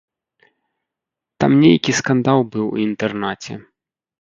Там нейкі скандал быў у інтэрнаце.